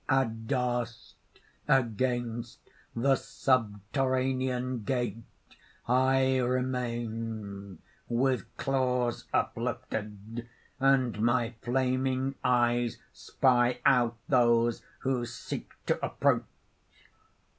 "Addossed against the subterranean gate I remain with claws uplifted; and my flaming eyes spy out those who seek to approach.